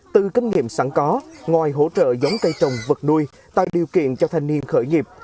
từ kinh nghiệm sẵn có ngoài hỗ trợ giống cây trồng vật nuôi tạo điều kiện cho thanh niên khởi nghiệp